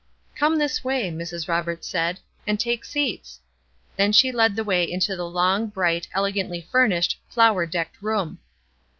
"Come this way," Mrs. Roberts said, "and take seats." Then she led the way into the long, bright, elegantly furnished, flower decked room.